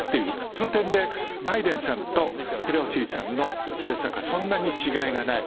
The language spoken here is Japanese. その点でバイデンさんとペロシさんの政策はそんなに違いがない。